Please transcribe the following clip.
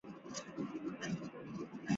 其后经历不详。